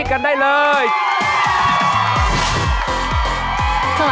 คุณแคลรอนครับ